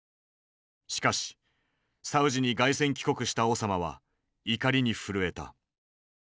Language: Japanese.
しかしサウジに凱旋帰国したオサマは怒りに震えた。